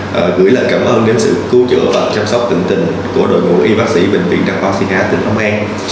chúng tôi cũng gửi lời cảm ơn đến sự cứu chữa và chăm sóc tỉnh tỉnh của đội ngũ y bác sĩ bệnh viện đa khoa xuyên á tỉnh long an